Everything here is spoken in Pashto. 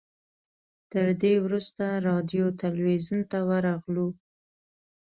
تر دې وروسته راډیو تلویزیون ته ورغلو.